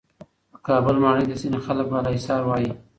د کابل ماڼۍ ته ځینې خلک بالاحصار وایې.